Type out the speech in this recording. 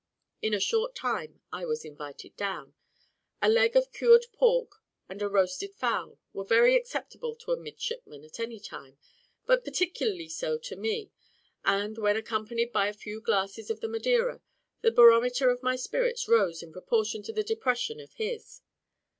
In a short time, I was invited down. A leg of cured pork, and a roasted fowl, were very acceptable to a midshipman at any time, but particularly so to me; and, when accompanied by a few glasses of the Madeira, the barometer of my spirits rose in proportion to the depression of his.